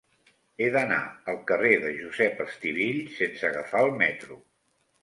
He d'anar al carrer de Josep Estivill sense agafar el metro.